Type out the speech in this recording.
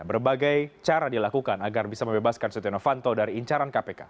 berbagai cara dilakukan agar bisa membebaskan setia novanto dari incaran kpk